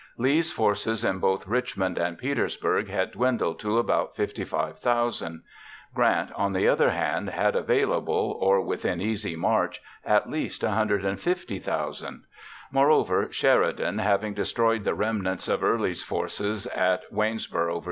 Lee's forces in both Richmond and Petersburg had dwindled to about 55,000. Grant, on the other hand, had available, or within easy march, at least 150,000. Moreover, Sheridan, having destroyed the remnants of Early's forces at Waynesboro, Va.